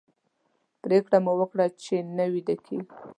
پرېکړه مو وکړه چې نه ویده کېږو.